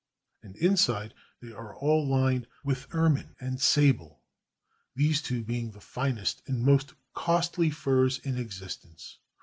And inside they are all lined with ermine and sable, these two being the finest and most costly furs in existence.